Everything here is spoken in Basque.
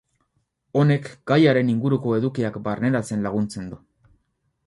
Honek gaiaren inguruko edukiak barneratzen laguntzen du.